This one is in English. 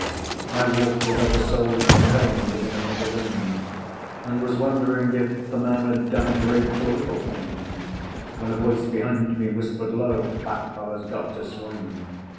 I walked, with other souls in pain, Within another ring, And was wondering if the man had done A great or little thing, When a voice behind me whispered low, "That fellow's got to swing."